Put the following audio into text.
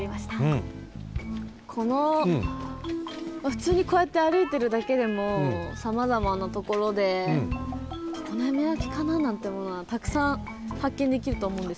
このふつうにこうやってあるいてるだけでもさまざまなところで常滑焼かな？なんてものはたくさんはっけんできるとおもうんですね。